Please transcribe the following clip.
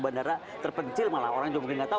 bandara terpencil malah orang juga mungkin nggak tahu